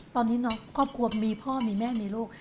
ตอนนี้ครอบครัวมีพ่อมีแม่มีลูก